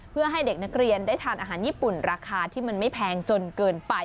เพื่อให้เด็กนักเรียนได้ทานอาหารญี่ปุ่นราคาที่มันไม่แพงจนเกินไป